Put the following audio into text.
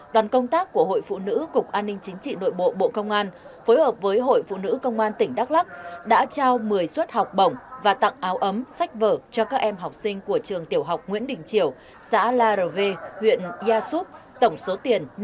đoàn công tác của hội phụ nữ cục an ninh chính trị nội bộ bộ công an phối hợp với hội phụ nữ công an tỉnh đắk lắk đã trao một mươi suất học bổng và tặng áo ấm sách vở cho các em học sinh của trường tiểu học nguyễn đình triều xã la rê huệ huyện ea xuất tổng số tiền năm mươi năm triệu đồng